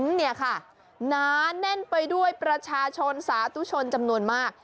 หนาแน่นไปด้วยประชาชนสาธุชนจำนวนมาก